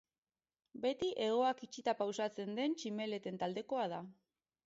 Beti hegoak itxita pausatzen den tximeleten taldekoa da.